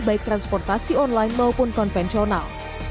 baik transportasi online maupun konvensional